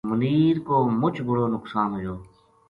منیر کو مُچ بڑو نُقصان ہویو